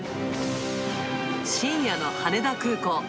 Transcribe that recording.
深夜の羽田空港。